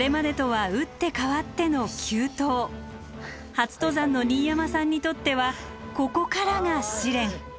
初登山の新山さんにとってはここからが試練。